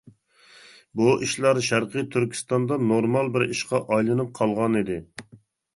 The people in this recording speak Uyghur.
بۇ ئىشلار شەرقى تۈركىستاندا نورمال بىر ئىشقا ئايلىنىپ قالغان ئىدى.